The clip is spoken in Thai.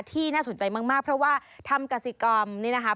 น่าสนใจมากเพราะว่าทำกสิกรรมนี่นะคะ